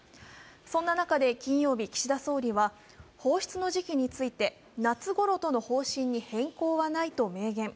そんな中で金曜日、岸田総理は放出の時期について夏頃との方針に変更はないと明言。